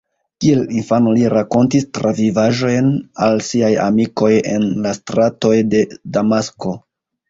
Kiel infano li rakontis travivaĵojn al siaj amikoj en la stratoj de Damasko.